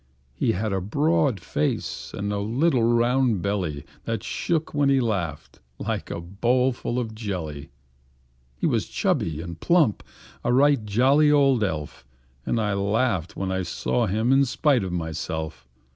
He had a broad face, and a little round belly That shook when he laughed, like a bowl full of jelly. He was chubby and plump a right jolly old elf; And I laughed when I saw him in spite of myself.